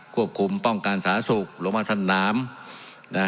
ควบคุมป้องการสาธารณสุขลงบ้านสั้นน้ำ